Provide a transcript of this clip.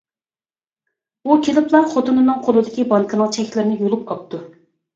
ئۇ كېلىپلا خوتۇنىنىڭ قولىدىكى بانكىنىڭ چەكلىرىنى يۇلۇپ ئاپتۇ.